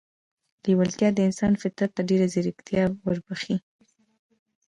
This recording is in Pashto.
لېوالتیا د انسان فطرت ته ډېره ځیرکي وربښي